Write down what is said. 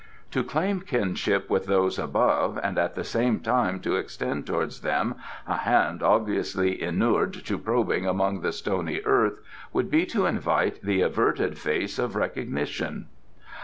To claim kinship with those Above and at the same time to extend towards them a hand obviously inured to probing among the stony earth would be to invite the averted face of recognition."